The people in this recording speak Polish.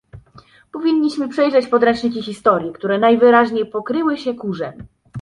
Powinniśmy przejrzeć podręczniki historii, które najwyraźniej pokryły się kurzem